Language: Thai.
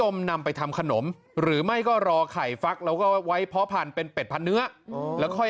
เวียง